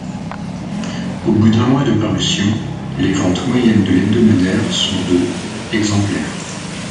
Au bout d'un mois de parution, les ventes moyennes de l'hebdomadaire sont de exemplaires.